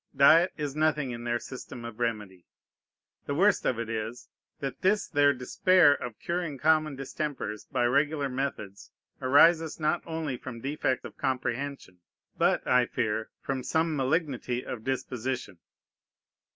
Diet is nothing in their system of remedy. The worst of it is, that this their despair of curing common distempers by regular methods arises not only from defect of comprehension, but, I fear, from some malignity of disposition.